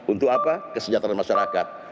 untuk apa kesejahteraan masyarakat